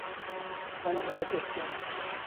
ساينس باید احتیاط وکړي.